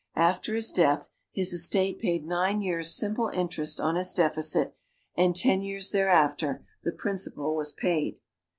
After his death his estate paid nine years' simple interest on his deficit, and ten years thereafter, the principal was paid.